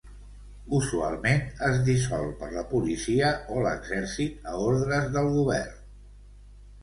Usualment és dissolt per la policia o l'exèrcit a ordres del govern.